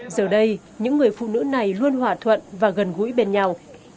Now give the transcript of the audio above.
giờ đây những người phụ nữ này luôn hòa thuận và gần gũi bên nhau